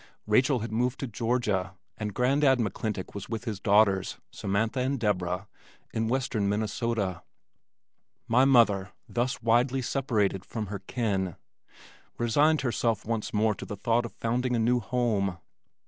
Rachel had moved to Georgia, and Grandad McClintock was with his daughters, Samantha and Deborah, in western Minnesota. My mother, thus widely separated from her kin, resigned herself once more to the thought of founding a new home.